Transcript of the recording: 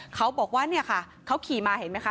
เขาบอกว่าเขาขี่มาเห็นไหมคะ